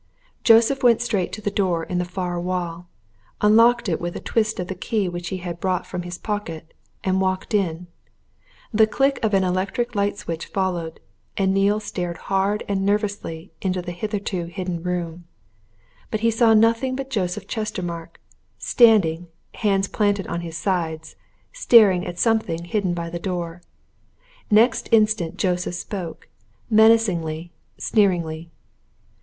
Joseph went straight to the door in the far wall, unlocked it with a twist of the key which he had brought from his pocket, and walked in. The click of an electric light switch followed, and Neale stared hard and nervously into the hitherto hidden room. But he saw nothing but Joseph Chestermarke, standing, hands planted on his sides, staring at something hidden by the door. Next instant Joseph spoke menacingly, sneeringly.